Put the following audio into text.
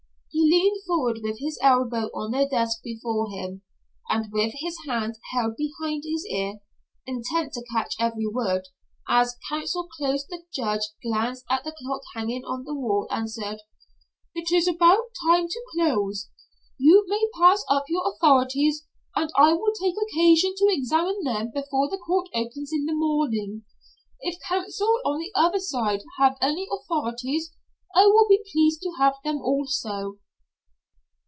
He leaned forward with his elbow on the desk before him, and with his hand held behind his ear, intent to catch every word. As counsel closed the judge glanced at the clock hanging on the wall and said: "It is about time to close. You may pass up your authorities, and I will take occasion to examine them before the court opens in the morning. If counsel on the other side have any authorities, I will be pleased to have them also."